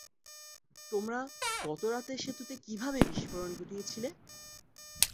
তোমরা গত রাতে সেতুতে কীভাবে বিস্ফোরণ ঘটিয়েছিলে?